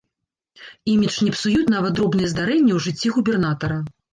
Імідж не псуюць нават дробныя здарэнні ў жыцці губернатара.